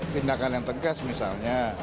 tidak ada yang tegas misalnya